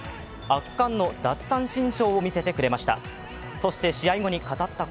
圧巻の奪三振ショーを見せてくれました。